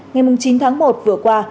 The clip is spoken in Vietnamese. ngày chín tháng một vừa qua